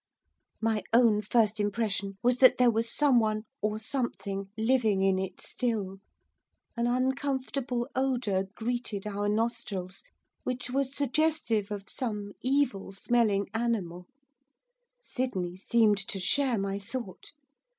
My own first impression was that there was someone, or something, living in it still, an uncomfortable odour greeted our nostrils, which was suggestive of some evil smelling animal. Sydney seemed to share my thought.